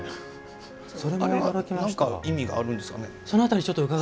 あれは何か意味があるんですかね？